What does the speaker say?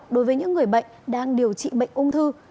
đối với những người bệnh đang điều trị bệnh ung thư